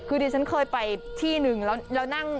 คือดิฉันเคยไปที่หนึ่งแล้วนั่ง